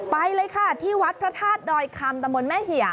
ไปเลยค่ะที่วัดพระธาตุดอยคำตะมนต์แม่เหี่ย